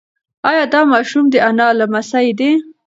ایا دا ماشوم د انا لمسی دی؟